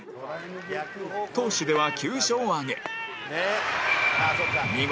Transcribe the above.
投手では９勝を挙げ